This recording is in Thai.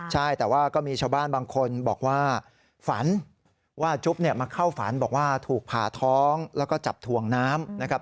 ใช่แต่ว่าก็มีชาวบ้านบางคนบอกว่าฝันว่าจุ๊บเนี่ยมาเข้าฝันบอกว่าถูกผ่าท้องแล้วก็จับถ่วงน้ำนะครับ